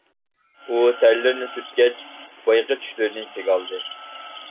ئۇ تەرلىرىنى سۈرتكەچ بايىقى چۈشلىرىنى ئېسىگە ئالدى.